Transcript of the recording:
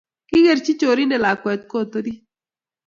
Kikerchi chorindet lakwet kot orit